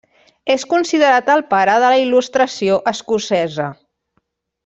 És considerat el pare de la Il·lustració escocesa.